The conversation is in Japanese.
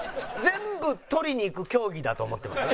全部取りにいく競技だと思ってます？